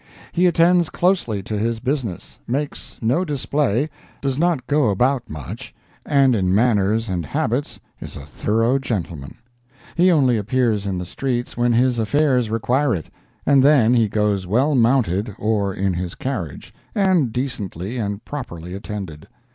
He attends closely to his business, makes no display, does not go about much, and in manners and habits is a thorough gentleman. He only appears in the streets when his affairs require it, and then he goes well mounted or in his carriage, and decently and properly attended.